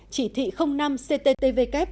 chỉ thị năm cttvk